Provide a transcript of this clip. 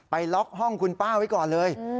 ล็อกห้องคุณป้าไว้ก่อนเลย